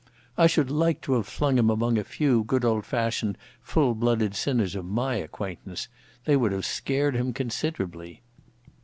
I should like to have flung him among a few good old fashioned full blooded sinners of my acquaintance; they would have scared him considerably.